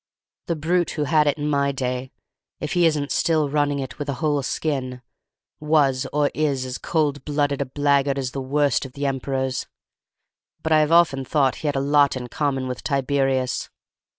The brute who had it in my day, if he isn't still running it with a whole skin, was or is as cold blooded a blackguard as the worst of the emperors, but I have often thought he had a lot in common with Tiberius.